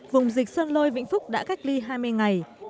vùng dịch sơn lôi vĩnh phúc đã cách ly hai mươi ngày